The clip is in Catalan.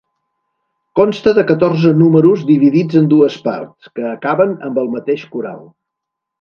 Consta de catorze números dividits en dues parts, que acaben amb el mateix coral.